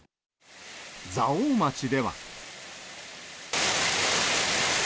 蔵王町では。